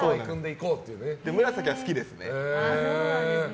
紫は好きですね。